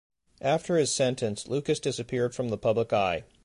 After his sentence Lucas disappeared from the public eye.